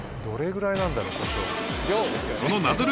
どれぐらいなんだろうコショウ。